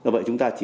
vậy chúng ta chỉ có